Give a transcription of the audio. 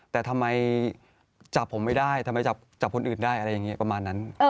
แต่ทำไมจับผมไม่ได้ทำไมจับคนอื่นได้อะไรอย่างนี้ประมาณนั้น